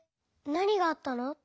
なにがあったの？